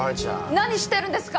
何してるんですか！